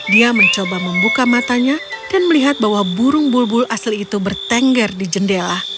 dia mencoba membuka matanya dan melihat bahwa burung bulbul asli itu bertengger di jendela